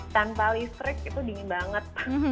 tanpa listrik itu dingin banget